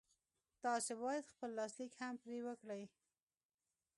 تاسې بايد خپل لاسليک هم پرې وکړئ.